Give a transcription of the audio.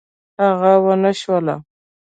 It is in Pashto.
هغه ونشوله.